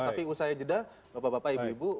tapi usai jeda bapak bapak ibu ibu